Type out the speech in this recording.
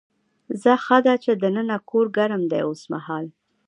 ځه ښه ده چې دننه کور ګرم دی اوسمهال.